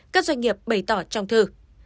các doanh nghiệp bày tỏ trong thư